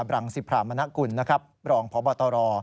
บรังสิพรามนกุลบรองพบตร